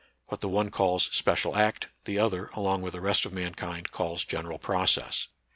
What the one calls " special act " the other, along with the rest of mankind, calls general process.